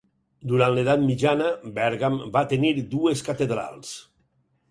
Durant l'edat mitjana, Bèrgam va tenir dues catedrals: